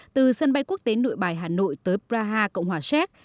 từ sân bay quốc tế nội bài hà nội tới braha cộng hòa xét